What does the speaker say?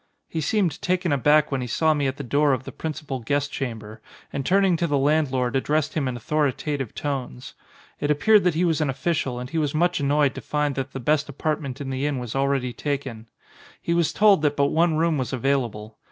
He seemed taken aback when he saw me at the door of the principal guest chamber and turning to the landlord addressed him in authoritative tones. It appeared that he was an official and he was much annoyed to find that the best apartment in the inn was already taken. He was told that but one room was available.